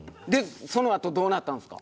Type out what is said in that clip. そのあとどうなったんですか？